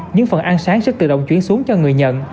những phần ăn sáng sẽ tự động chuyển xuống cho người nhận